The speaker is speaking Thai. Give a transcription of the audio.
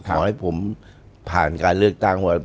ขอให้ผมผ่านการเลือกตั้งว่า